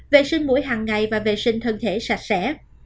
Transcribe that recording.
vệ sinh mũi hằng ngày và vệ sinh thân thể sạch sẽ